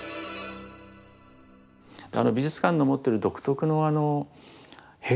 美術館の持ってる独特のあの閉鎖性。